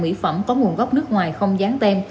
mỹ phẩm có nguồn gốc nước ngoài không dán tem